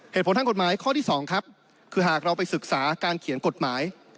เหตุผลทางกฎหมายข้อที่๒ครับคือหากเราไปศึกษาการเขียนกฎหมาย